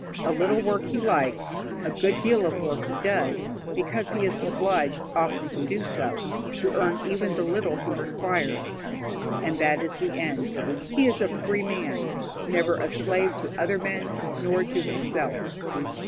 A little work he likes; a good deal of work he does, because he is obliged often to do so to earn even the little he requires. And that is the end. He is a free man, never a slave to other men, nor to himself.